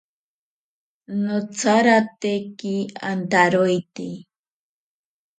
Notsarateki antaroite.